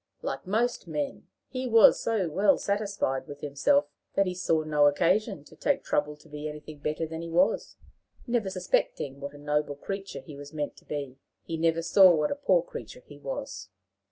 Like most men, he was so well satisfied with himself, that he saw no occasion to take trouble to be anything better than he was. Never suspecting what a noble creature he was meant to be, he never saw what a poor creature he was.